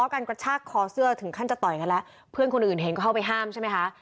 การกระชากคอเสื้อถึงขั้นจะต่อยกันแล้วเพื่อนคนอื่นเห็นก็เข้าไปห้ามใช่ไหมคะ